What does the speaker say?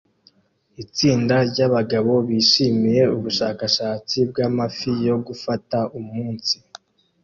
Itsinda ryabagabo bishimiye ubushakashatsi bwamafi yo gufata umunsi